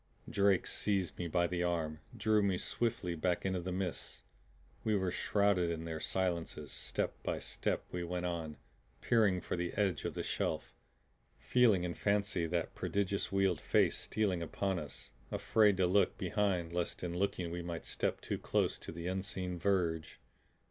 Drake seized me by the arm, drew me swiftly back into the mists. We were shrouded in their silences. Step by step we went on, peering for the edge of the shelf, feeling in fancy that prodigious wheeled face stealing upon us; afraid to look behind lest in looking we might step too close to the unseen verge.